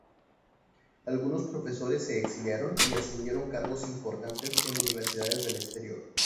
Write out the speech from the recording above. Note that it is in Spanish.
Algunos profesores se exiliaron y asumieron cargos importantes en universidades del exterior.